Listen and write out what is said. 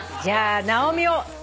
じゃあ「なおみ」